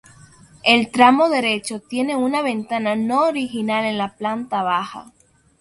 El tramo derecho tiene una ventana no original en la planta baja.